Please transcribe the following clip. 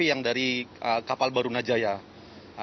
yang dari kapal barunajaya